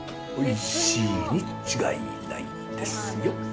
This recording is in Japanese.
おいしいに違いないですよ。